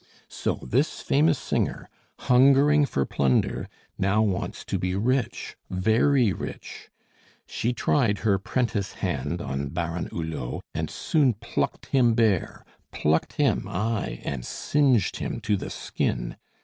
"So this famous singer, hungering for plunder, now wants to be rich, very rich. She tried her 'prentice hand on Baron Hulot, and soon plucked him bare plucked him, ay, and singed him to the skin.